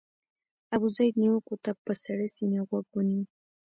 ابوزید نیوکو ته په سړه سینه غوږ ونیو.